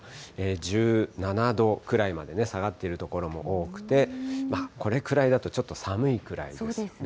１７度くらいまで下がっている所も多くて、これくらいだとちょっと寒いくらいですよね。